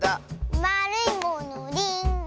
「まるいものリンゴ！」